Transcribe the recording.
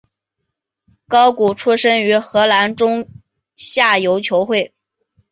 高古出身于荷兰中下游球会。